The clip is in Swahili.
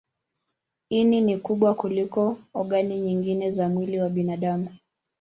Ini ni kubwa kuliko ogani nyingine za mwili wa binadamu.